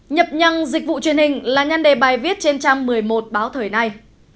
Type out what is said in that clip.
nhập nhăng dịch vụ truyền hình là nhân đề bài viết trên trang một mươi một báo thời nay